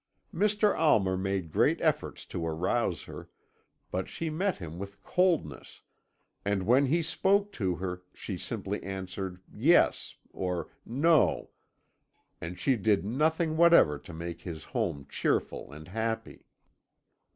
"Mr. Almer made great efforts to arouse her, but she met him with coldness, and when he spoke to her she simply answered 'yes' or 'no,' and she did nothing whatever to make his home cheerful and happy.